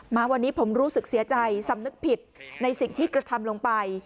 มาวันนี้ผมรู้สึกเสียใจสำนึกผิดในสิ่งที่กระทำลงไป